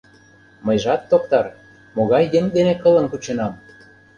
Мыйжат, токтар, могай еҥ дене кылым кученам?